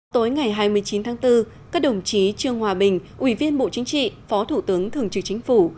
tối ngày hai mươi chín tháng bốn các đồng chí trương hòa bình ủy viên bộ chính trị phó thủ tướng thường trực chính phủ